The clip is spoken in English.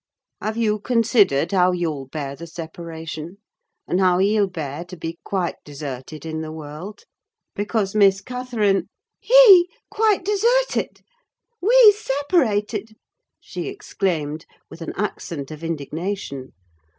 Have you considered how you'll bear the separation, and how he'll bear to be quite deserted in the world? Because, Miss Catherine—" "He quite deserted! we separated!" she exclaimed, with an accent of indignation.